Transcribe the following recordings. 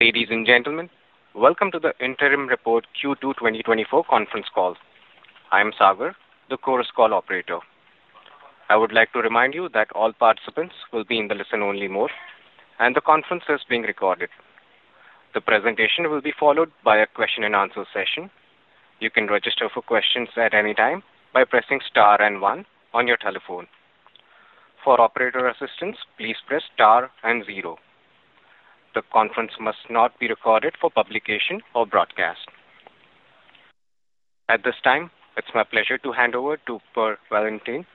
Ladies and gentlemen, welcome to the interim report Q2 2024 conference call. I'm Sagar, the Chorus Call operator. I would like to remind you that all participants will be in the listen-only mode, and the conference is being recorded. The presentation will be followed by a question and answer session. You can register for questions at any time by pressing star and one on your telephone. For operator assistance, please press star and zero. The conference must not be recorded for publication or broadcast. At this time, it's my pleasure to hand over to Per Wallentin,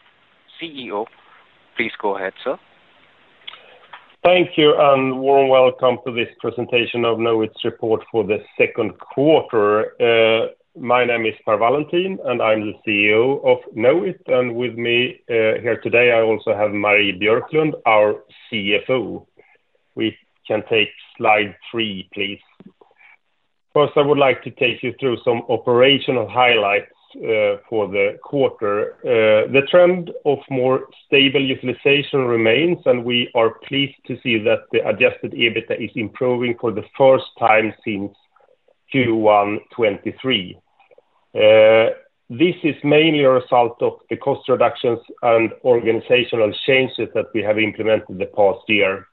CEO. Please go ahead, sir. Thank you, and warm welcome to this presentation of Knowit's report for the second quarter. My name is Per Wallentin, and I'm the CEO of Knowit, and with me here today, I also have Marie Björklund, our CFO. We can take slide 3, please. First, I would like to take you through some operational highlights for the quarter. The trend of more stable utilization remains, and we are pleased to see that the adjusted EBITDA is improving for the first time since Q1 2023. This is mainly a result of the cost reductions and organizational changes that we have implemented the past year.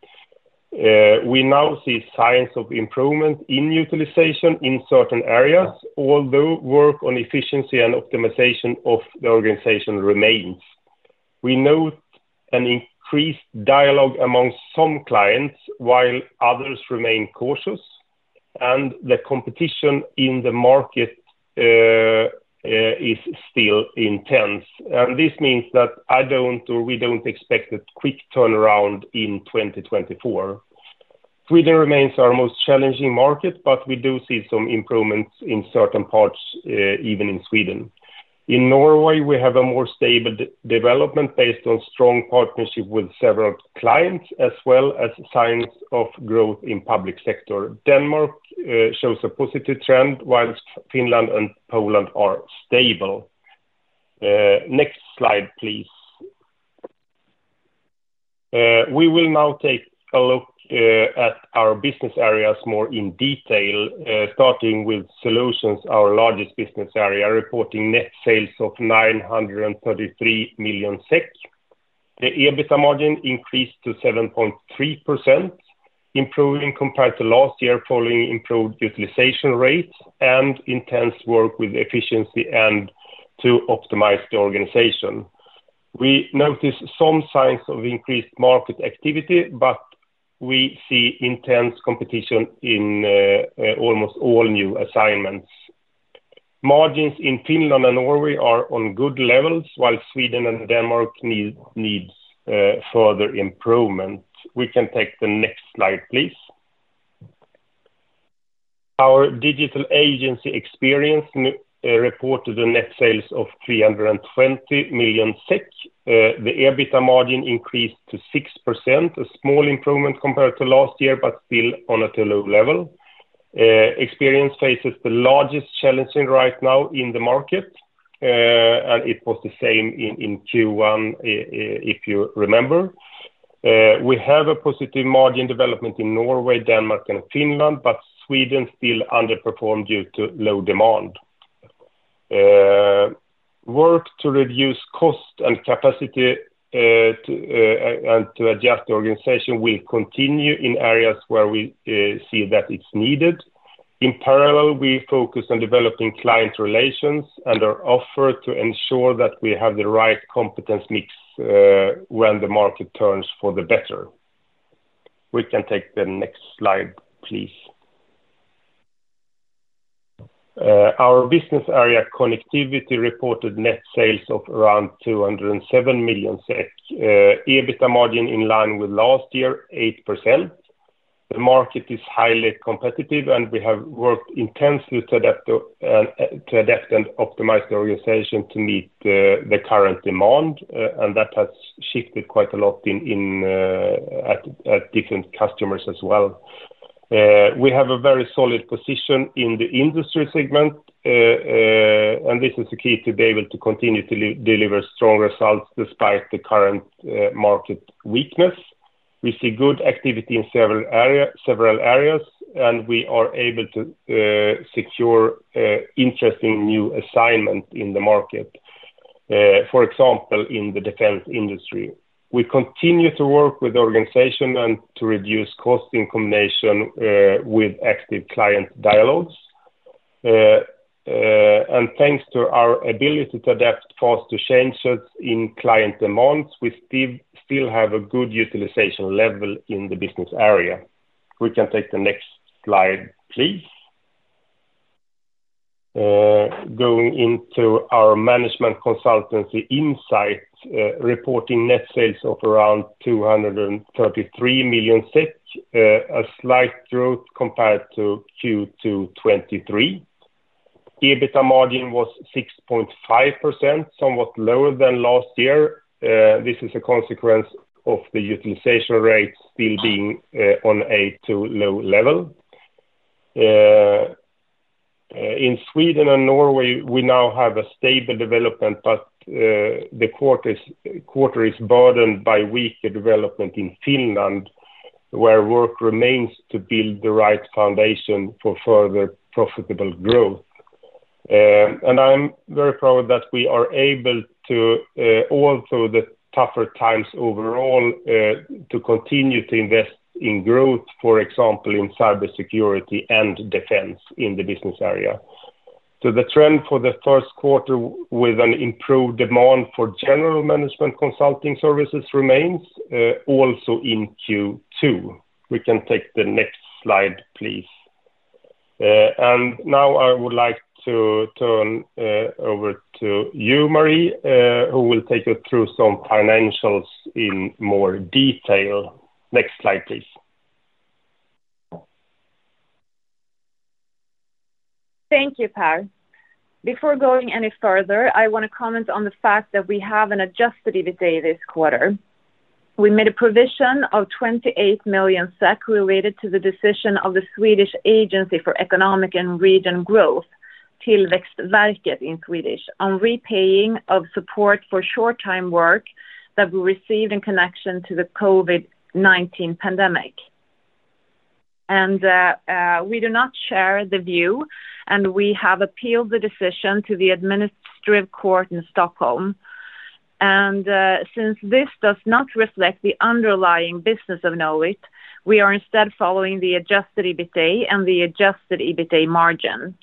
We now see signs of improvement in utilization in certain areas, although work on efficiency and optimization of the organization remains. We note an increased dialogue among some clients, while others remain cautious, and the competition in the market is still intense. This means that I don't, or we don't expect a quick turnaround in 2024. Sweden remains our most challenging market, but we do see some improvements in certain parts, even in Sweden. In Norway, we have a more stable development based on strong partnership with several clients, as well as signs of growth in public sector. Denmark shows a positive trend, while Finland and Poland are stable. Next slide, please. We will now take a look at our business areas more in detail, starting with Solutions, our largest business area, reporting net sales of 933 million SEK. The EBITDA margin increased to 7.3%, improving compared to last year, following improved utilization rates and intense work with efficiency and to optimize the organization. We noticed some signs of increased market activity, but we see intense competition in almost all new assignments. Margins in Finland and Norway are on good levels, while Sweden and Denmark need further improvement. We can take the next slide, please. Our digital agency Experience reported a net sales of 320 million SEK. The EBITDA margin increased to 6%, a small improvement compared to last year, but still on at a low level. Experience faces the largest challenge right now in the market, and it was the same in Q1, if you remember. We have a positive margin development in Norway, Denmark, and Finland, but Sweden still underperformed due to low demand. Work to reduce cost and capacity, and to adjust the organization will continue in areas where we see that it's needed. In parallel, we focus on developing client relations and our offer to ensure that we have the right competence mix when the market turns for the better. We can take the next slide, please. Our business area, Connectivity, reported net sales of around 207 million SEK. EBITDA margin in line with last year, 8%. The market is highly competitive, and we have worked intensely to adapt and optimize the organization to meet the current demand, and that has shifted quite a lot in different customers as well. We have a very solid position in the industry segment, and this is the key to be able to continue to deliver strong results despite the current market weakness. We see good activity in several area, several areas, and we are able to secure interesting new assignment in the market, for example, in the defense industry. We continue to work with the organization and to reduce cost in combination with active client dialogues. And thanks to our ability to adapt fast to changes in client demands, we still have a good utilization level in the business area. We can take the next slide, please. Going into our management consultancy Insight, reporting net sales of around 233 million SEK, a slight growth compared to Q2 2023. EBITDA margin was 6.5%, somewhat lower than last year. This is a consequence of the utilization rates still being on a too low level. In Sweden and Norway, we now have a stable development, but the quarter is burdened by weaker development in Finland, where work remains to build the right foundation for further profitable growth. And I'm very proud that we are able to all through the tougher times overall to continue to invest in growth, for example, in cybersecurity and defense in the business area. So the trend for the first quarter with an improved demand for general management consulting services remains also in Q2. We can take the next slide, please. Now I would like to turn over to you, Marie, who will take you through some financials in more detail. Next slide, please. Thank you, Per. Before going any further, I want to comment on the fact that we have an adjusted EBITDA this quarter. We made a provision of 28 million SEK related to the decision of the Swedish Agency for Economic and Regional Growth, Tillväxtverket in Swedish, on repaying of support for short-time work that we received in connection to the COVID-19 pandemic. We do not share the view, and we have appealed the decision to the Administrative Court in Stockholm. Since this does not reflect the underlying business of Knowit, we are instead following the adjusted EBITDA and the adjusted EBITDA margin.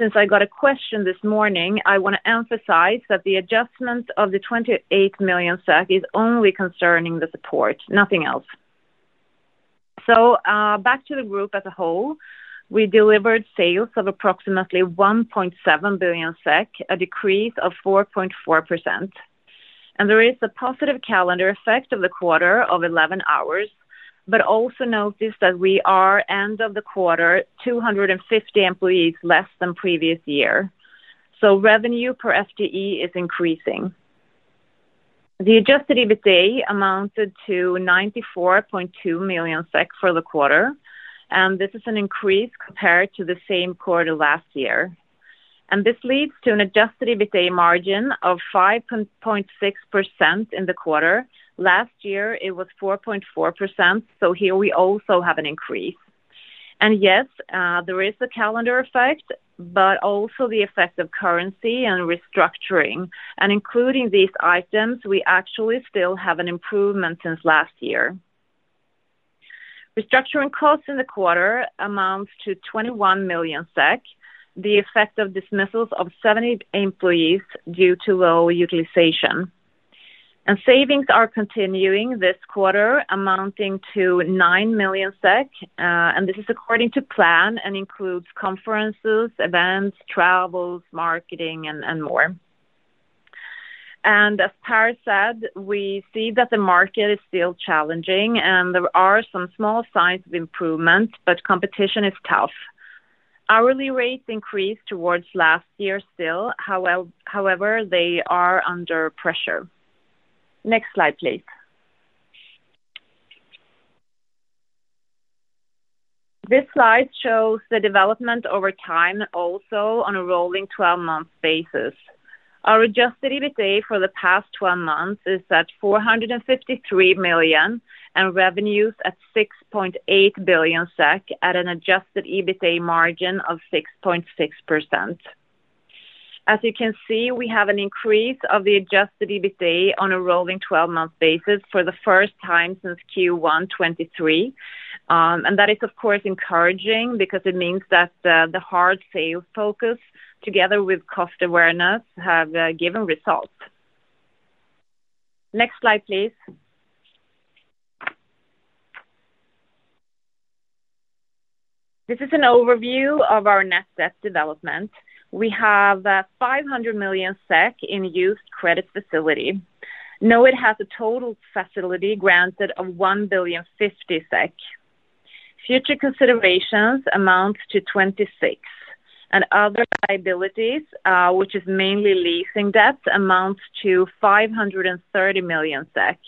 Since I got a question this morning, I want to emphasize that the adjustment of 28 million SEK is only concerning the support, nothing else. So, back to the group as a whole, we delivered sales of approximately 1.7 billion SEK, a decrease of 4.4%. There is a positive calendar effect of the quarter of 11 hours, but also notice that we are end of the quarter, 250 employees, less than previous year, so revenue per FTE is increasing. The adjusted EBITDA amounted to 94.2 million for the quarter, and this is an increase compared to the same quarter last year. This leads to an adjusted EBITDA margin of 5.6% in the quarter. Last year, it was 4.4%, so here we also have an increase. Yes, there is a calendar effect, but also the effect of currency and restructuring. Including these items, we actually still have an improvement since last year. Restructuring costs in the quarter amount to 21 million SEK, the effect of dismissals of 70 employees due to low utilization. Savings are continuing this quarter, amounting to 9 million SEK, and this is according to plan and includes conferences, events, travels, marketing, and, and more. As Per said, we see that the market is still challenging and there are some small signs of improvement, but competition is tough. Hourly rates increased towards last year still, however, they are under pressure. Next slide, please. This slide shows the development over time, also on a rolling 12 month basis. Our adjusted EBITDA for the past 12 months is at 453 million, and revenues at 6.8 billion SEK at an adjusted EBITDA margin of 6.6%. As you can see, we have an increase of the adjusted EBITDA on a rolling 12 month basis for the first time since Q1 2023. And that is, of course, encouraging because it means that the hard sales focus, together with cost awareness, have given results. Next slide, please. This is an overview of our net debt development. We have 500 million SEK in used credit facility. Knowit has a total facility granted of 1.05 billion. Future considerations amount to 26 million, and other liabilities, which is mainly leasing debt, amounts to 530 million SEK.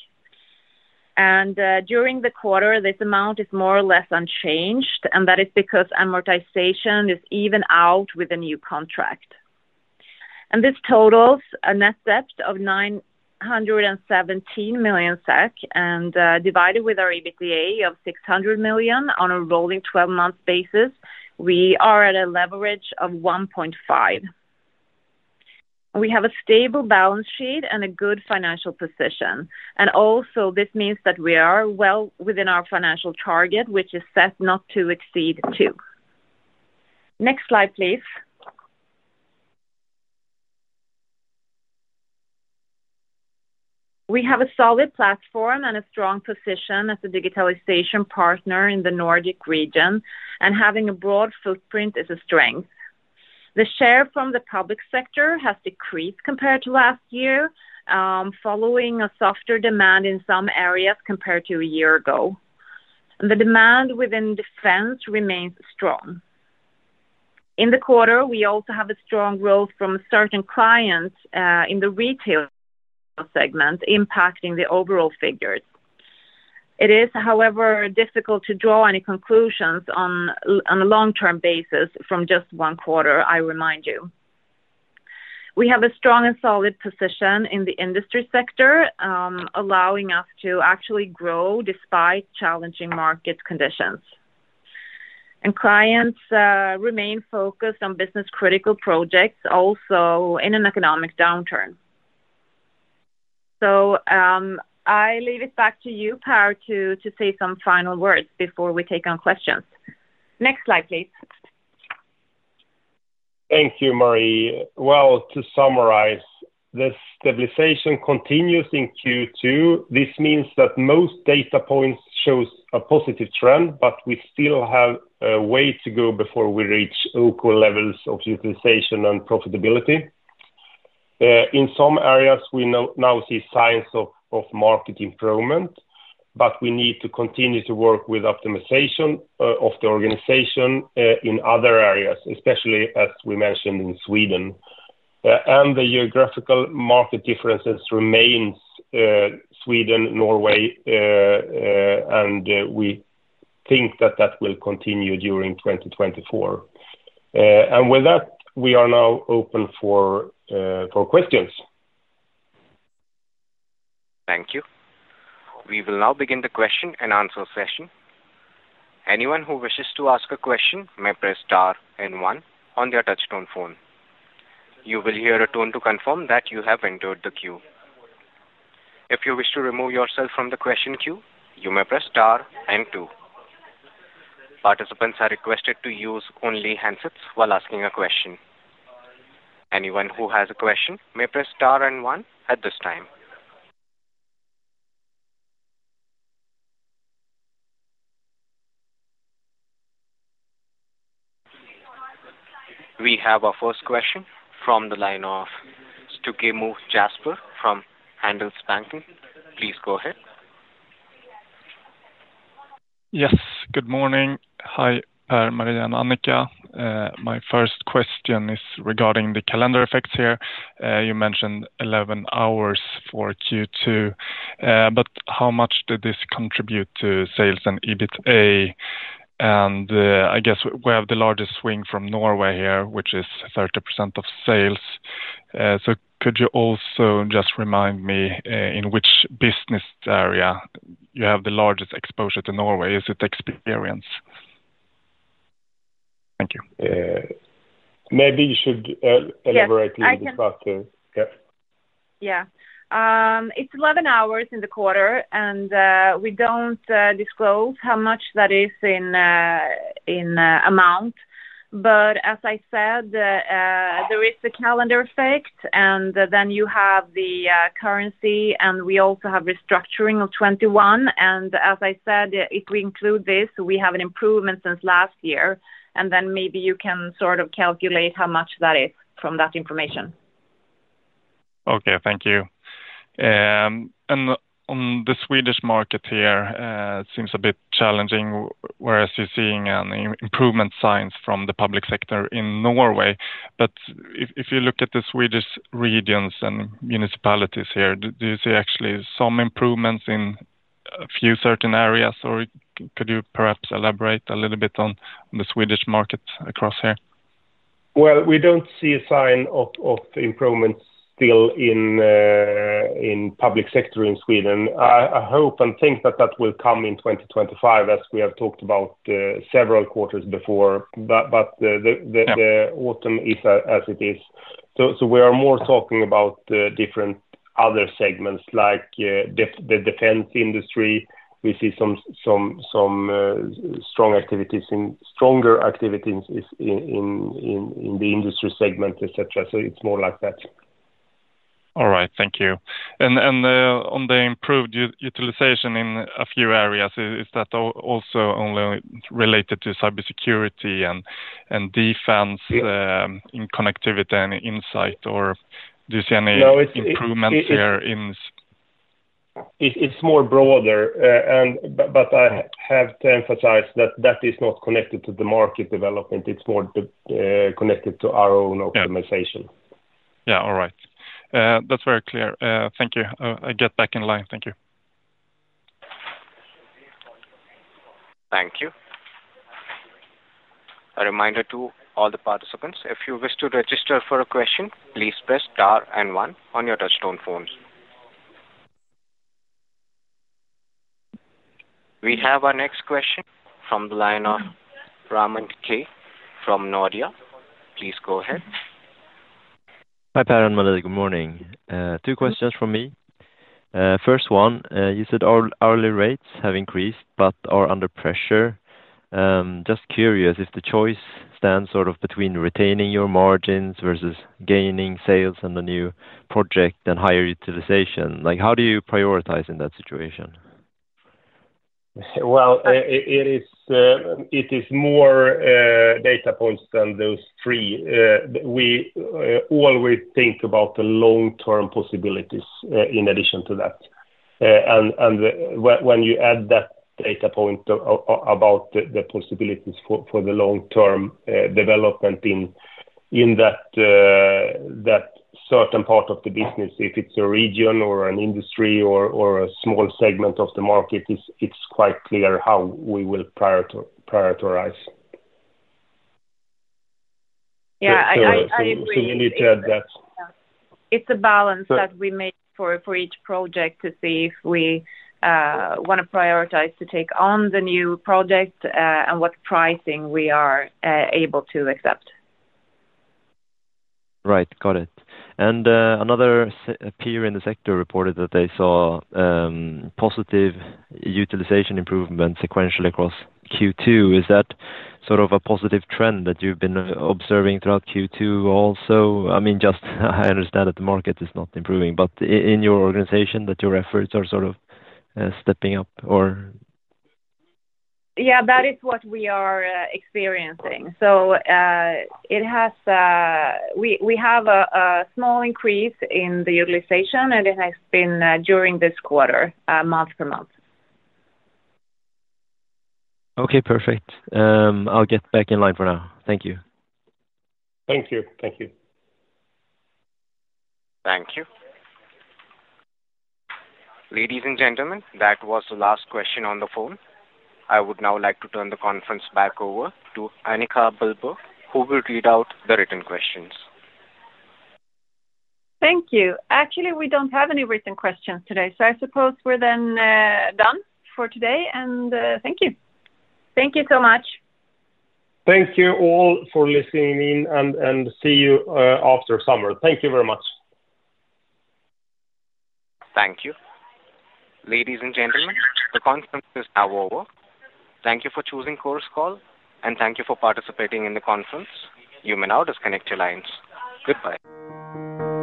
During the quarter, this amount is more or less unchanged, and that is because amortization is even out with a new contract. This totals a net debt of 917 million SEK, and divided with our EBITDA of 600 million on a rolling 12-month basis, we are at a leverage of 1.5. We have a stable balance sheet and a good financial position, and also this means that we are well within our financial target, which is set not to exceed 2. Next slide, please. We have a solid platform and a strong position as a digitalization partner in the Nordic region, and having a broad footprint is a strength. The share from the public sector has decreased compared to last year, following a softer demand in some areas compared to a year ago. The demand within defense remains strong. In the quarter, we also have a strong growth from certain clients in the retail segment, impacting the overall figures. It is, however, difficult to draw any conclusions on a long-term basis from just one quarter, I remind you. We have a strong and solid position in the industry sector, allowing us to actually grow despite challenging market conditions. And clients remain focused on business-critical projects, also in an economic downturn. So, I leave it back to you, Per, to say some final words before we take on questions. Next slide, please. Thank you, Marie. Well, to summarize, the stabilization continues in Q2. This means that most data points shows a positive trend, but we still have a way to go before we reach local levels of utilization and profitability. In some areas, we now see signs of market improvement, but we need to continue to work with optimization of the organization in other areas, especially as we mentioned in Sweden. And the geographical market differences remains, Sweden, Norway, and we think that that will continue during 2024. And with that, we are now open for questions. Thank you. We will now begin the question and answer session. Anyone who wishes to ask a question may press star and one on their touchtone phone. You will hear a tone to confirm that you have entered the queue. If you wish to remove yourself from the question queue, you may press star and two. Participants are requested to use only handsets while asking a question. Anyone who has a question may press star and one at this time. We have our first question from the line of Jesper Stugemo from Handelsbanken. Please go ahead. Yes, good morning. Hi, Per, Marie, and Annika. My first question is regarding the calendar effects here. You mentioned 11 hours for Q2, but how much did this contribute to sales and EBITDA? And, I guess we have the largest swing from Norway here, which is 30% of sales. So could you also just remind me, in which business area you have the largest exposure to Norway? Is it experience? Thank you. Maybe you should. Yes. Elaborate a little bit faster. I can. Yeah. Yeah. It's 11 hours in the quarter, and we don't disclose how much that is in amount. But as I said, there is a calendar effect, and then you have the currency, and we also have restructuring of 21. And as I said, if we include this, we have an improvement since last year, and then maybe you can sort of calculate how much that is from that information. Okay, thank you. And on the Swedish market here, it seems a bit challenging, whereas you're seeing an improvement signs from the public sector in Norway. But if you look at the Swedish regions and municipalities here, do you see actually some improvements in a few certain areas, or could you perhaps elaborate a little bit on the Swedish market across here? Well, we don't see a sign of improvements still in public sector in Sweden. I hope and think that will come in 2025, as we have talked about several quarters before, but the- Yeah... autumn is as it is. So we are more talking about the different other segments, like the defense industry. We see some stronger activities in the industry segment, et cetera. So it's more like that. All right. Thank you. And on the improved utilization in a few areas, is that also only related to cybersecurity and defense in connectivity and insight, or do you see any- No, it's- Improvements here in- It's more broader, but I have to emphasize that that is not connected to the market development. It's more connected to our own optimization. Yeah. Yeah, all right. That's very clear. Thank you. I get back in line. Thank you. Thank you. A reminder to all the participants, if you wish to register for a question, please press star and one on your touch-tone phones. We have our next question from the line of Raymond Ke from Nordea. Please go ahead. Hi, Per and Marie. Good morning. Two questions from me. First one, you said hourly rates have increased but are under pressure. Just curious if the choice stands sort of between retaining your margins versus gaining sales and the new project and higher utilization? Like, how do you prioritize in that situation? Well, it is more data points than those three. We always think about the long-term possibilities in addition to that. And when you add that data point about the possibilities for the long-term development in that certain part of the business, if it's a region or an industry or a small segment of the market, it's quite clear how we will prioritize. Yeah, I agree. We need to add that. It's a balance that we make for each project to see if we wanna prioritize to take on the new project, and what pricing we are able to accept. Right. Got it. And another peer in the sector reported that they saw positive utilization improvement sequentially across Q2. Is that sort of a positive trend that you've been observing throughout Q2 also? I mean, just I understand that the market is not improving, but in your organization, that your efforts are sort of stepping up or? Yeah, that is what we are experiencing. So, it has... We have a small increase in the utilization, and it has been during this quarter, month-to-month. Okay, perfect. I'll get back in line for now. Thank you. Thank you. Thank you. Thank you. Ladies and gentlemen, that was the last question on the phone. I would now like to turn the conference back over to Annika Billberg, who will read out the written questions. Thank you. Actually, we don't have any written questions today, so I suppose we're then done for today, and thank you. Thank you so much. Thank you all for listening in, and see you after summer. Thank you very much. Thank you. Ladies and gentlemen, the conference is now over. Thank you for choosing Chorus Call, and thank you for participating in the conference. You may now disconnect your lines. Goodbye.